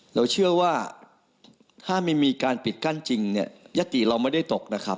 เราเชื่อว่าถ้าไม่มีการปิดกั้นจริงเนี่ยยติเราไม่ได้ตกนะครับ